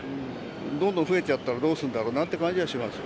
どんどん増えちゃったらどうするんだろうという感じはします。